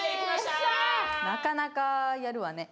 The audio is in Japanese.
なかなかやるわね。